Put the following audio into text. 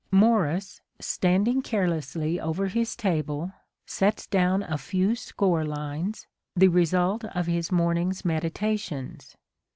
Morris, standing carelessly over his table, sets down a few score lines, the result of his morning's meditations.